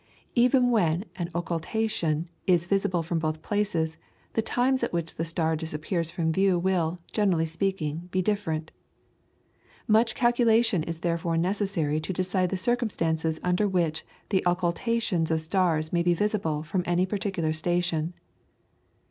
Even when an occultation is visible from both places, the times at which the star disappears from view will, generally speaking, be different. Much calculation is therefore necessary to decide the circumstances under which the occultations of stars may be visible from any particular station.